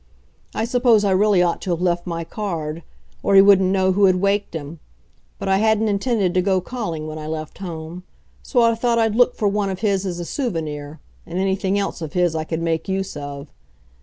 I suppose I really ought to have left my card or he wouldn't know who had waked him but I hadn't intended to go calling when I left home. So I thought I'd look for one of his as a souvenir and anything else of his I could make use of.